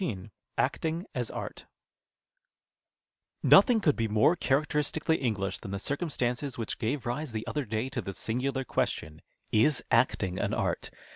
99 ACTING AS ART Nothing could be more characteristically En^lisli than the circumstances which gave rise the other day to the singidar question, " Is acting an art